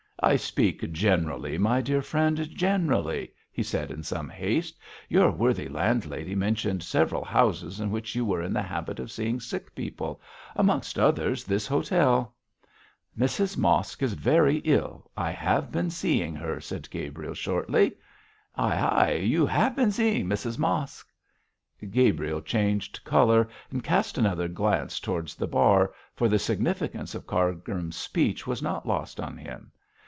'I speak generally, my dear friend generally,' he said in some haste. 'Your worthy landlady mentioned several houses in which you were in the habit of seeing sick people amongst others this hotel.' 'Mrs Mosk is very ill. I have been seeing her,' said Gabriel, shortly. 'Ay! ay! you have been seeing Mrs Mosk!' Gabriel changed colour and cast another glance towards the bar, for the significance of Cargrim's speech was not lost on him.